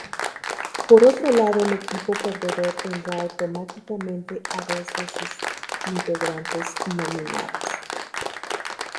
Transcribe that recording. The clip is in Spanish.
Por otro lado el equipo perdedor tendrá automáticamente a dos de sus integrantes nominados.